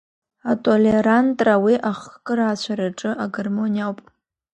Атолерантра уи ахкырацәараҿы агормониа ауп.